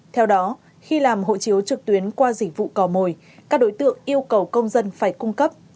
theo đó khi làm hộ chiếu trực tuyến qua dịch vụ cò mồi các đối tượng yêu cầu công dân phải cung cấp